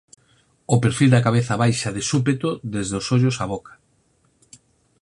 O perfil da cabeza baixa de súpeto desde os ollos á boca.